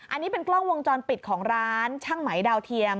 อันนี้เป็นกล้องวงจรปิดของร้านช่างไหมดาวเทียม